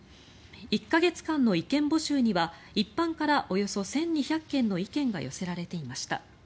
１か月間の意見募集には一般からおよそ１２００件の意見が寄せられていました。